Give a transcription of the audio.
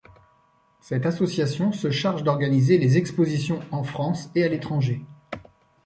Cette association se charge d'organiser les expositions en France et à l'étranger.